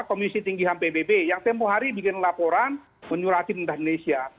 komisi tinggi ham pbb yang tempuh hari bikin laporan menyuruh atin pemerintah indonesia